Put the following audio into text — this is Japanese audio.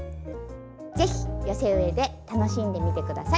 是非寄せ植えで楽しんでみて下さい。